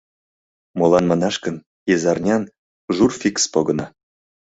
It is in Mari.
Молан манаш гын, изарнян «журфикс» погына.